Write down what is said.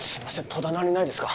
戸棚にないですか？